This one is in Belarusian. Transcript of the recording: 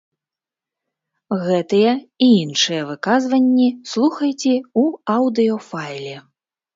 Гэтыя і іншыя выказванні слухайце ў аўдыёфайле.